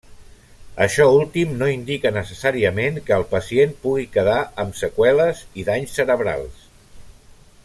Això últim no indica necessàriament que el pacient pugui quedar amb seqüeles i danys cerebrals.